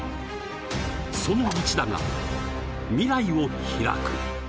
その１打が未来を開く。